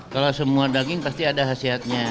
kalau semua daging pasti ada khasiatnya